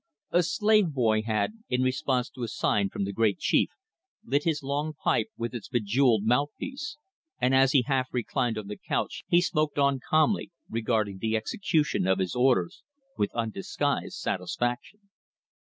A slave boy had, in response to a sign from the great chief, lit his long pipe with its bejewelled mouthpiece, and as he half reclined on the couch he smoked on calmly, regarding the execution of his orders with undisguised satisfaction.